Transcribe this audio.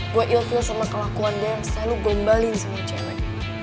gue ill feel sama kelakuan dia yang selalu gue embalin sama cewek